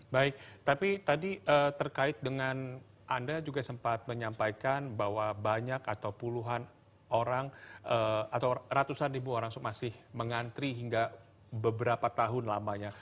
baik tapi tadi terkait dengan anda juga sempat menyampaikan bahwa banyak atau puluhan orang atau ratusan ribu orang masih mengantri hingga beberapa tahun lamanya